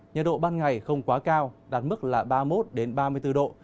nhiệt độ ban ngày không quá cao đạt mức là ba mươi một ba mươi bốn độ